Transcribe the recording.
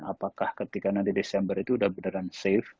apakah ketika nanti desember itu udah beneran safe